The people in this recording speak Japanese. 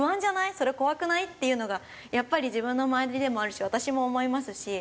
「それ怖くない？」っていうのがやっぱり自分の周りでもあるし私も思いますし。